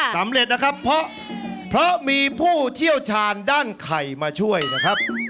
สำเร็จนะครับเพราะมีผู้เชี่ยวชาญด้านไข่มาช่วยนะครับ